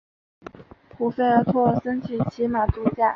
胡佛和托尔森去骑马度假。